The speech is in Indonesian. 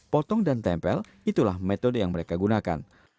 potong dan tempel itulah metode yang mereka gunakan